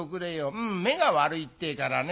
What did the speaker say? うん目が悪いってえからね。